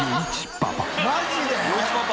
「マジで？